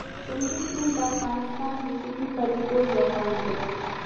کندز سیند د افغانستان د طبیعي پدیدو یو رنګ دی.